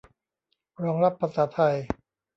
รองรับภาษาไทย